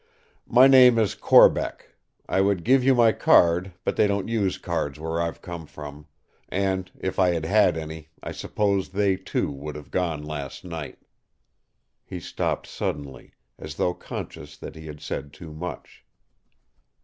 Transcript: "My name is Corbeck. I would give you my card, but they don't use cards where I've come from. And if I had had any, I suppose they, too, would have gone last night—" He stopped suddenly, as though conscious that he had said too much.